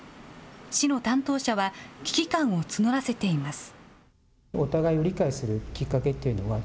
市の担当者は、危機感を募らせています。